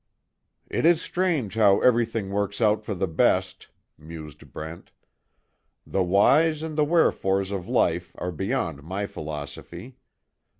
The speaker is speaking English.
"It is strange how everything works out for the best," mused Brent, "The whys and the wherefores of life are beyond my philosophy.